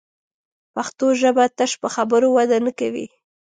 پښتو ژبه تش په خبرو وده نه کوي